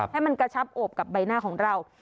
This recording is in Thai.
ให้มันกระชับโอบกับใบหน้าของเรา